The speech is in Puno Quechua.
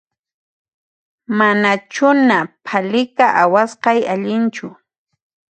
Manachuna phalika awasqay allinchu